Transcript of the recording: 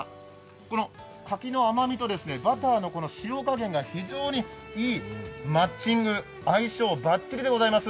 この柿の甘みとバターの塩かげんが非常にいいマッチング、相性バッチリでございます。